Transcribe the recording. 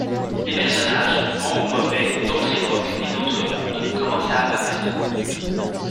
Des personnages, bons ou mauvais, d'autres époques et d'autres mondes commencent à apparaître.